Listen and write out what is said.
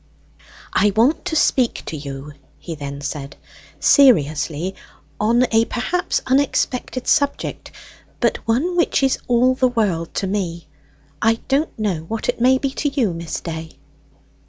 "I want to speak to you," he then said; "seriously on a perhaps unexpected subject, but one which is all the world to me I don't know what it may be to you, Miss Day."